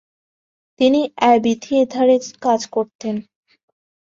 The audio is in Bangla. তিনি অ্যাবি থিয়েটারে কাজ করতেন।